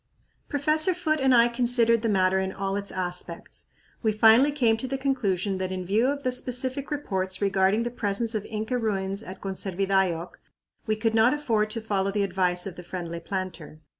Professor Foote and I considered the matter in all its aspects. We finally came to the conclusion that in view of the specific reports regarding the presence of Inca ruins at Conservidayoc we could not afford to follow the advice of the friendly planter.